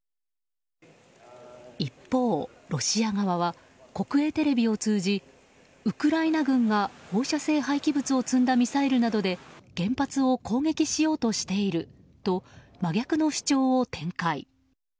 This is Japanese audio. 一方、ロシア側は国営テレビを通じウクライナ軍が放射性廃棄物を積んだミサイルなどで原発を攻撃しようとしていると真逆の主張を展開。